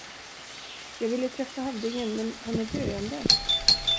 Jag ville träffa hövdingen men han är döende.